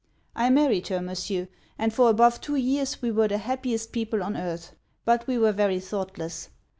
_' 'I married her, Monsieur; and for above two years we were the happiest people on earth. But we were very thoughtless.